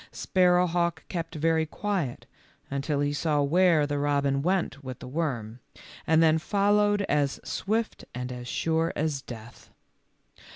Sparrowhawk kept very quiet until he saw where the robin went with the worm, and then followed as swift and as sure as death.